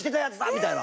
みたいな。